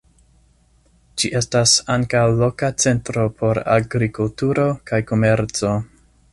Ĝi estas ankaŭ loka centro por agrikulturo kaj komerco.